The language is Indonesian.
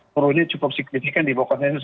turunnya cukup signifikan di bawah konsensus